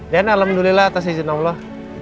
dan alhamdulillah atas izin allah